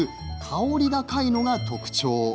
香り高いのが特徴。